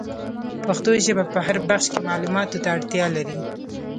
پښتو ژبه په هر بخش کي معلوماتو ته اړتیا لري.